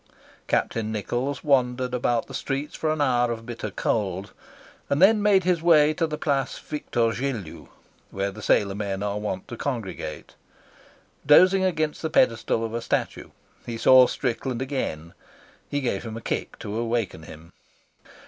Captain Nichols wandered about the streets for an hour of bitter cold, and then made his way to the Place Victor Gelu, where the sailor men are wont to congregate. Dozing against the pedestal of a statue, he saw Strickland again. He gave him a kick to awaken him.